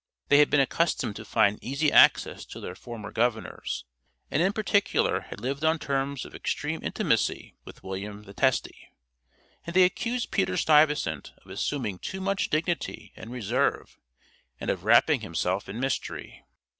They had been accustomed to find easy access to their former governors, and in particular had lived on terms of extreme intimacy with William the Testy, and they accused Peter Stuyvesant of assuming too much dignity and reserve, and of wrapping himself in mystery.